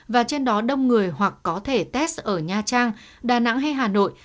và trên đó đông người hoặc có thể test ở nha trang đà nẵng hay hà nội